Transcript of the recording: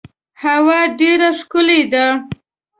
هوا ډیره ښکلې ده .